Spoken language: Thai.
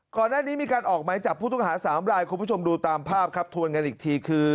ก่อนหน้านี้มีการออกหมายจับผู้ต้องหาสามรายคุณผู้ชมดูตามภาพครับทวนกันอีกทีคือ